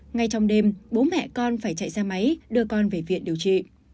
ngay trong đêm bố mẹ con phải chạy ra máy đưa con về viện điều trị